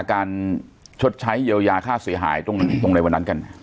ชดใช้เยียวยาค่าเสียหายตรงในวันนั้นกัน